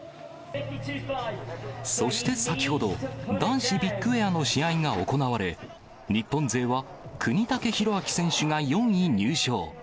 そして先ほど、男子ビッグエアの試合が行われ、日本勢は國武大晃選手が４位入賞。